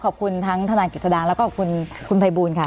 ขอบคุณทั้งธนายกิจสดาแล้วก็คุณภัยบูลค่ะ